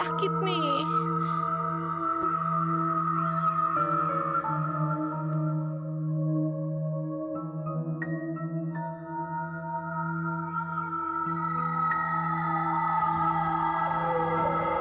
aku tidak mau tahu